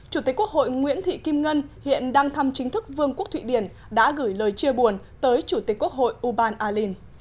chủ tịch quốc hội nguyễn thị kim ngân hiện đang thăm chính thức vương quốc thụy điển đã gửi lời chia buồn tới chủ tịch quốc hội uban al alen